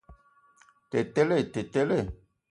Tə tele! Te tele.